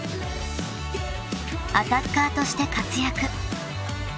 ［アタッカーとして活躍］